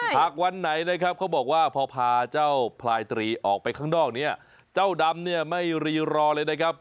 หากวันไหนนะครับเขาบอกว่าพอพาเจ้าพลายตรีออกไปข้างนอกเนี่ยเจ้าดำเนี่ยไม่รีรอเลยนะครับ